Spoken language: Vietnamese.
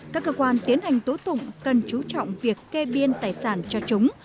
các cơ quan tiến hành tố tụng cần chú trọng việc kê biên tài sản cho chúng